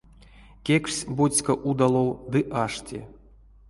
Кекшсь боцька удалов ды ашти.